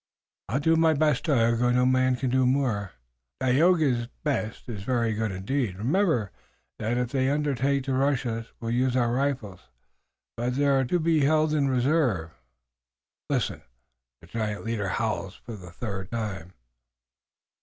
"I will do my best, Tayoga. No man can do more." "Dagaeoga's best is very good indeed. Remember that if they undertake to rush us we will use our rifles, but they are to be held in reserve. Hark, the giant leader howls for the third time!"